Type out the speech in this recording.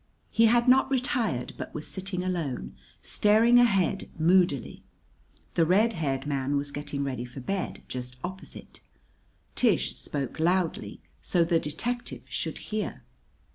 He had not retired, but was sitting alone, staring ahead moodily. The red haired man was getting ready for bed, just opposite. Tish spoke loudly, so the detective should hear.